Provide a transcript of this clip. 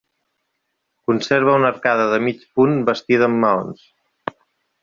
Conserva una arcada de mig punt bastida amb maons.